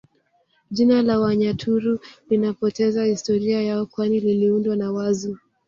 Jina la Wanyaturu linapoteza historia yao kwani liliundwa na Wazu